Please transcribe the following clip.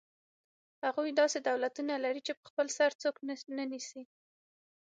هغوی داسې دولتونه لري چې په خپل سر څوک نه نیسي.